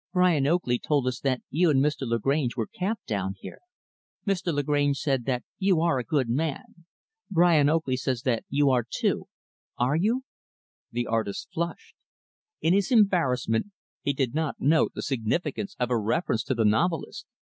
"Brian Oakley told us that you and Mr. Lagrange were camped down here. Mr. Lagrange said that you are a good man; Brian Oakley says that you are too are you?" The artist flushed. In his embarrassment, he did not note the significance of her reference to the novelist.